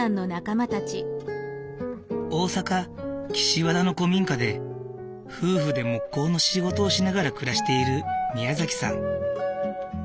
大阪・岸和田の古民家で夫婦で木工の仕事をしながら暮らしているみやざきさん。